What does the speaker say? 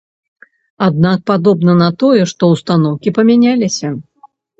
Аднак падобна на тое, што ўстаноўкі памяняліся.